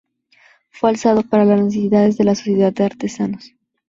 Fue alzado para las necesidades de la Sociedad de artesanos.